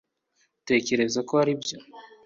utekereza ko aribyo